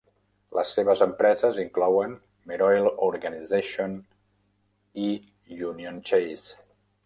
Les seves empreses inclouen Meroil Organization i Union Chase.